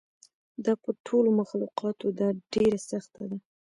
دا په ټولو مخلوقاتو ده ډېره سخته ده.